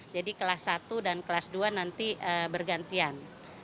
jadi kelas satu dan kelas dua nanti bergantian